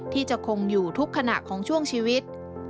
ที่จะคงอยู่ทุกขณะของช่วงชีวิต